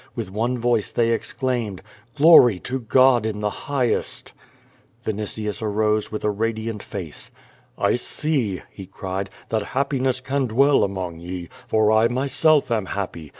With one voice they exclaimed: "Glory to God in the highest!" Vinitius arose with a radiant face. 'T see," he cried, "that happiness can dwell among ye, for I myself am happy.